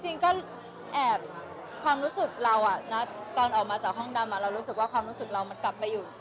จริงก็แอบความรู้สึกเราตอนออกมาจากห้องดำเรารู้สึกว่าความรู้สึกเรามันกลับไปอยู่